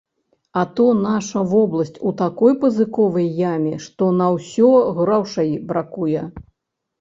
А то наша вобласць у такой пазыковай яме, што на ўсё грошай бракуе.